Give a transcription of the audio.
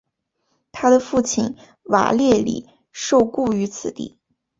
他的父亲瓦列里受雇于此地。